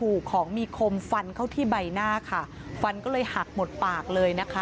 ถูกของมีคมฟันเข้าที่ใบหน้าค่ะฟันก็เลยหักหมดปากเลยนะคะ